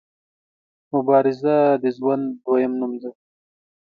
مبارزه د ژوند دویم نوم دی.